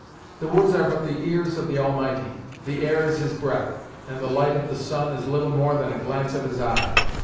The woods are but the ears of the Almighty, the air is his breath, and the light of the sun is little more than a glance of his eye.